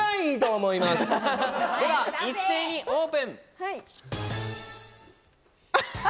一斉にオープン。